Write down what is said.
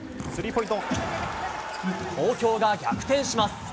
東京が逆転します。